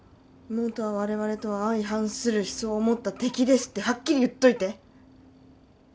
「妹は我々とは相反する思想を持った敵です」ってはっきり言っといて。